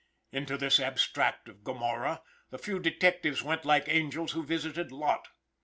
Into this abstract of Gomorrah the few detectives went like angels who visited Lot.